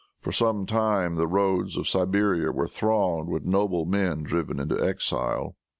For some time the roads to Siberia were thronged with noble men driven into exile.